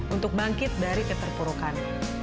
untuk bangkit dari keterpurukan